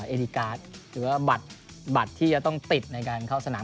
เอลิการ์ดหรือว่าบัตรที่จะต้องติดในการเข้าสนาม